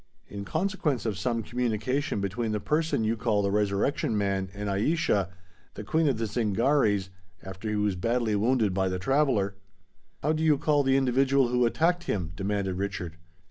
In consequence of some communication between the person you call the Resurrection Man and Aischa, the Queen of the Zingarees, after he was badly wounded by the Traveller——" "How do you call the individual who attacked him?" demanded Richard.